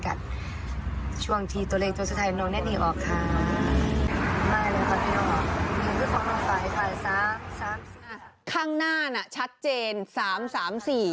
ข้างหน้าน่ะชัดเจนสามสามสี่